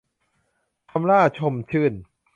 คำหล้า ชมชื่น